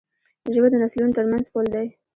ژبه د نسلونو ترمنځ پُل دی.